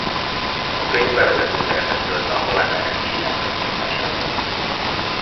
A könyv bevezető szerepet tölt be a Halál ereklyéinek bemutatásában.